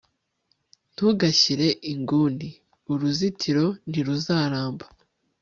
ntugashyire inguni, uruzitiro ntiruzaramba